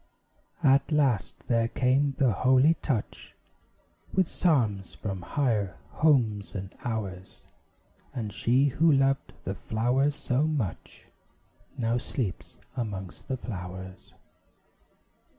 At last there came the holy touch, With psalms from higher homes and hours; And she who loved the flowers so much Now sleeps amongst the flowers.